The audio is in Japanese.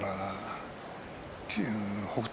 北勝